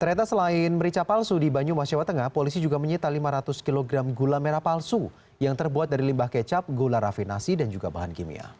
ternyata selain merica palsu di banyumas jawa tengah polisi juga menyita lima ratus kg gula merah palsu yang terbuat dari limbah kecap gula rafinasi dan juga bahan kimia